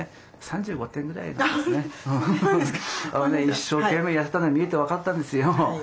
一生懸命やってたのは見てて分かったんですよ。